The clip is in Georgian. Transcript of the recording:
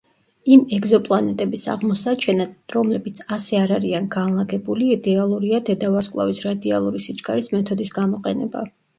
იმ ეგზოპლანეტების აღმოსაჩენად, რომლებიც ასე არ არიან განლაგებული, იდეალურია დედავარსკვლავის რადიალური სიჩქარის მეთოდის გამოყენება.